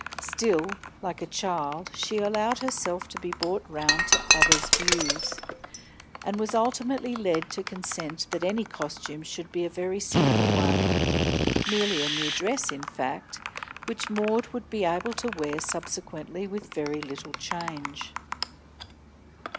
Still, like a child, she allowed herself to be brought round to others' views, and was ultimately led to consent that the costume should be a very simple one, merely a new dress, in fact, which Maud would be able to wear subsequently with little change.